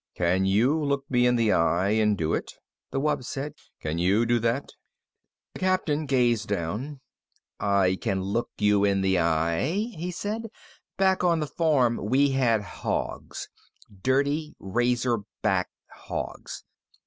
"Can you look me in the eye and do it?" the wub said. "Can you do that?" The Captain gazed down. "I can look you in the eye," he said. "Back on the farm we had hogs, dirty razor back hogs.